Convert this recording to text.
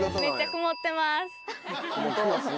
曇ってますね。